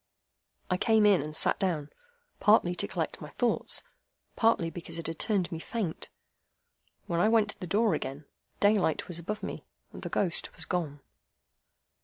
"I came in and sat down, partly to collect my thoughts, partly because it had turned me faint. When I went to the door again, daylight was above me, and the ghost was gone."